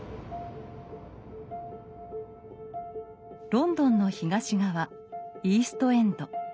ロンドンの東側イースト・エンド。